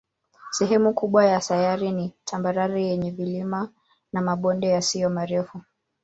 Sehemu kubwa ya sayari ni tambarare yenye vilima na mabonde yasiyo marefu.